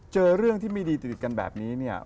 เจอเรื่องที่มีดีตริตกันแบบนี้